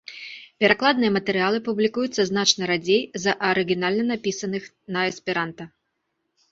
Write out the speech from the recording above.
Перакладныя матэрыялы публікуюцца значна радзей за арыгінальна напісаных на эсперанта.